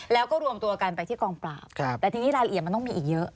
แล้วก็รวมตัวกันไปที่กองปราบแต่ทีนี้รายละเอียดมันต้องมีอีกเยอะ